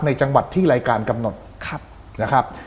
ในจังหวัดที่รายการกำหนดนะครับ